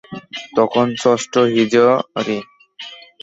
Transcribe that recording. তখন ষষ্ঠ হিজরী।